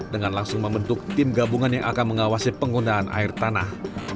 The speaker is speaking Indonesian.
dengan langsung membentuk tim gabungan yang akan mengawasi penggunaan air tanah